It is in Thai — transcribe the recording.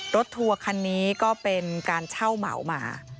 ทัวร์คันนี้ก็เป็นการเช่าเหมามา